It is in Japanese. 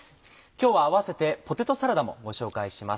今日は併せて「ポテトサラダ」もご紹介します。